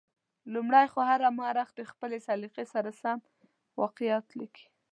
لومړی خو هر مورخ د خپلې سلیقې سره سم واقعات لیکلي.